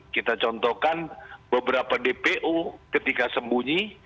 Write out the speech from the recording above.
kita contohkan beberapa dpo ketika sembunyi